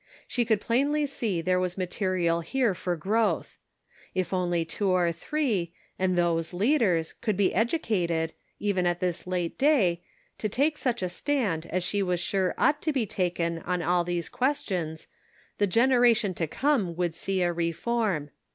She could plainly see there was material here for growth. If only two or three, and those leaders, could be educated, even at this late day, to take such a stand as she was sure ought to be taken on all these questions, the genera tion to come would see a reform.